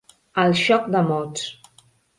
El xoc de mots.